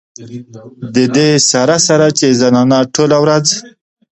د دې سره سره چې زنانه ټوله ورځ